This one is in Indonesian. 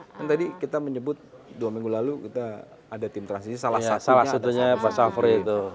kan tadi kita menyebut dua minggu lalu kita ada tim transisi salah satunya face cover itu